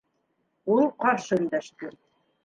Ул ҡаршы өндәште: